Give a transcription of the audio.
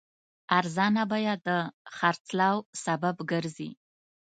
ارزانه بیه د خرڅلاو سبب ګرځي.